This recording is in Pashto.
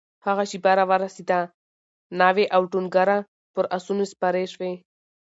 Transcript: هغه شېبه راورسېده؛ ناوې او ټونګره پر آسونو سپرې شوې